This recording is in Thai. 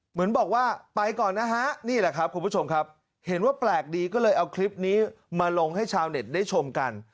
เหมือนบอกว่าไปก่อนนะฮะนี่แหละครับคุณผู้ชมครับเห็นว่าแปลกดีก็เลยเอาคลิปนี้มาลงให้ชาวเน็ตได้ชมกัน